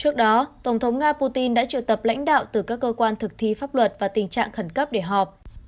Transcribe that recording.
trước đó tổng thống nga putin đã triệu tập lãnh đạo từ các cơ quan thực thi pháp luật và tình trạng khẩn cấp để họp